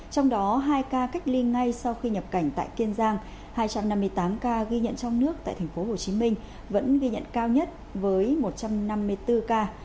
trong đó hai ca cách ly ngay sau khi nhập cảnh tại kiên giang hai trăm năm mươi tám ca ghi nhận trong nước tại tp hcm vẫn ghi nhận cao nhất với một trăm năm mươi bốn ca